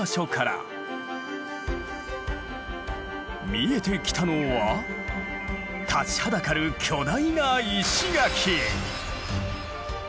見えてきたのは立ちはだかる巨大な石垣。